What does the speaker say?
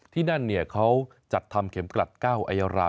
ที่นั่นเขาจัดทำเข็มกลัดเก้าไอรา